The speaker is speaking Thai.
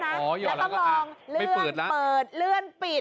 หว่าอยอดแล้วก็อ่ะแล้วก็ต้องลองเลื่อนเปิดเลื่อนปิด